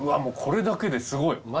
もうこれだけですごい！